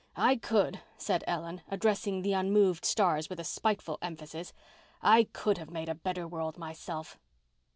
I could," said Ellen, addressing the unmoved stars with a spiteful emphasis, "I could have made a better world myself."